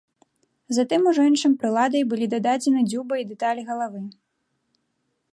Затым ужо іншым прыладай былі дададзены дзюба і дэталі галавы.